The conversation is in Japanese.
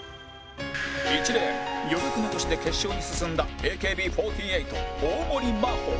１レーン余力残しで決勝に進んだ ＡＫＢ４８ 大盛真歩